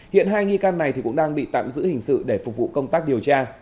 hiện hai nghi can này cũng đang bị tạm giữ hình sự để phục vụ công tác điều tra